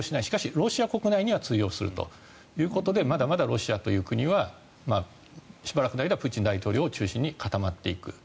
しかしロシア国内には通用するということでまだまだロシアという国はしばらくの間はプーチン大統領を中心に固まっていく。